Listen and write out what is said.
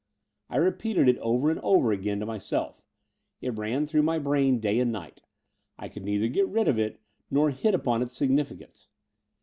I repeated it over and over again to myself. It ran through my brain day and night. I could neither get rid of it nor hit upon its significance.